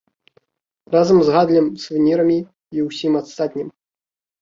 Разам з гандлем сувенірамі і ўсім астатнім.